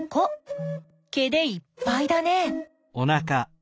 毛でいっぱいだね。